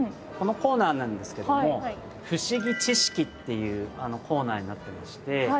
このコーナーなんですけどもふし木ちし木っていうコーナーになってまして。